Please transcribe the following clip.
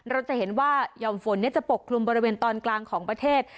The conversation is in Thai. เราจะเห็นว่าหย่อมฝนจะปกคลุมบริเวณตอนกลางของประเทศ